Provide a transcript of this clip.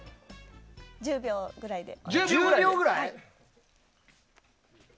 １０秒ぐらいで。